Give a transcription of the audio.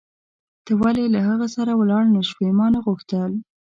ته ولې له هغه سره ولاړ نه شوې؟ ما نه غوښتل.